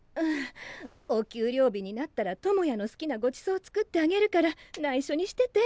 お給料日になったら智也の好きなごちそう作ってあげるからないしょにしてて。